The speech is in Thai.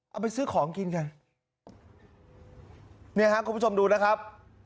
เอาไปซื้อของกินกันเนี่ยฮะคุณผู้ชมดูนะครับ